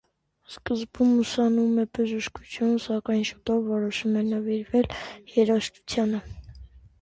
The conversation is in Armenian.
Սկզբում ուսանում է բժշկություն, սակայն շուտով որոշում է նվիրվել երաժշտությանը։